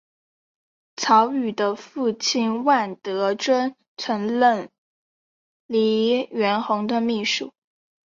曹禺的父亲万德尊曾任黎元洪的秘书。